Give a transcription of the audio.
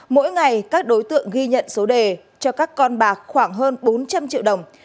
mỗi ngày các đối tượng ghi nhận số đề cho các con bạc khoảng hơn bốn trăm linh triệu đồng